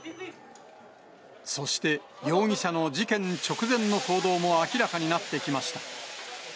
そして、容疑者の事件直前の行動も明らかになってきました。